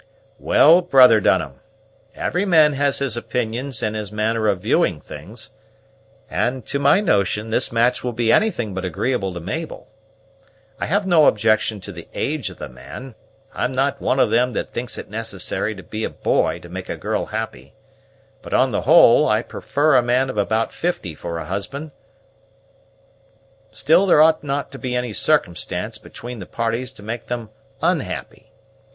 "Well, brother Dunham, every man has his opinions and his manner of viewing things; and, to my notion, this match will be anything but agreeable to Mabel. I have no objection to the age of the man; I'm not one of them that thinks it necessary to be a boy to make a girl happy, but, on the whole, I prefer a man of about fifty for a husband; still there ought not to be any circumstance between the parties to make them unhappy.